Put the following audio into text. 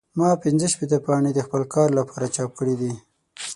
ما پنځه شپېته پاڼې د خپل کار لپاره چاپ کړې دي.